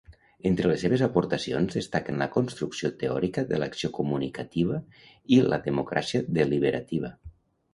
Entre les seves aportacions destaquen la construcció teòrica de l'acció comunicativa i la democràcia deliberativa.